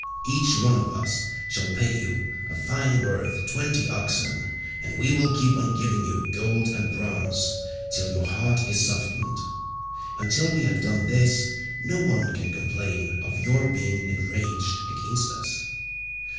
Each one of us shall pay you a fine worth twenty oxen, and we will keep on giving you gold and bronze till your heart is softened. Until we have done this no one can complain of your being enraged against us."